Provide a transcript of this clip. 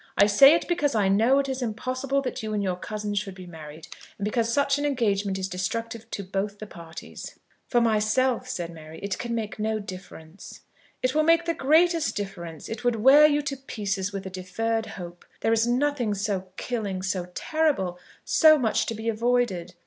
I say it because I know it is impossible that you and your cousin should be married, and because such an engagement is destructive to both the parties." "For myself," said Mary, "it can make no difference." "It will make the greatest difference. It would wear you to pieces with a deferred hope. There is nothing so killing, so terrible, so much to be avoided.